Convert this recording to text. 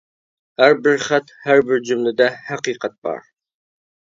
ھەر بىر خەت، ھەر جۈملىدە ھەقىقەت بار!